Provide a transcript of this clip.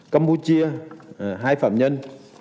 campuchia hai phạm nhân